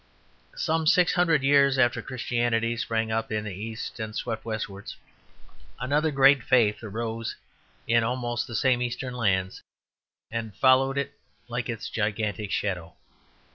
Some six hundred years after Christianity sprang up in the East and swept westwards, another great faith arose in almost the same eastern lands and followed it like its gigantic shadow.